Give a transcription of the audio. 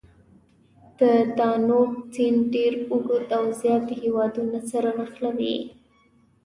د دانوب سیند ډېر اوږد او زیات هېوادونه سره نښلوي.